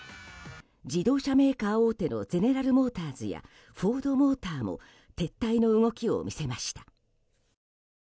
自動車メーカー大手のゼネラル・モーターズやフォード・モーターも撤退の動きを見せました。